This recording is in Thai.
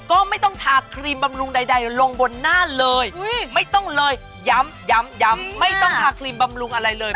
ก็ไม่ต้องทาครีมบำรุงใดลงบนหน้าเลยไม่ต้องเลยย้ำย้ำไม่ต้องทาครีมบำรุงอะไรเลย